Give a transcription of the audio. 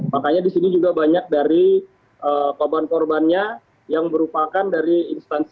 makanya disini juga banyak dari paban korbannya yang berupakan dari instansi